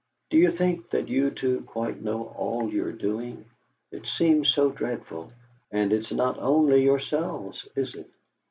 Do you think that you two quite know all you're doing? It seems so dreadful, and it's not only yourselves, is it?"